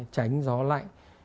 tránh gió lạnh